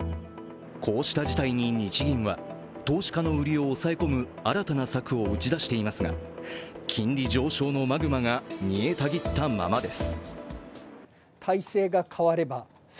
こうした事態に日銀は、投資家の売りを抑え込む新たな策を打ち出していますが、金利上昇のマグマが煮えたぎったままです。